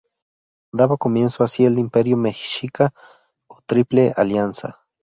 Daba comienzo así el Imperio Mexica o Triple Alianza.